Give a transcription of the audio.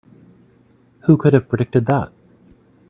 Who could have predicted that?